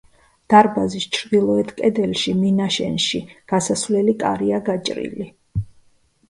დარბაზის ჩრდილოეთ კედელში მინაშენში გასასვლელი კარია გაჭრილი.